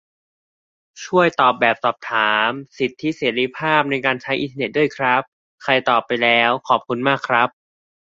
ช่วยตอบแบบสอบถาม "สิทธิเสรีภาพในการใช้อินเทอร์เน็ต" ด้วยครับ ใครตอบไปแล้ว ขอบคุณมากครับ